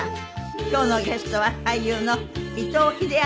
今日のゲストは俳優の伊藤英明さんです。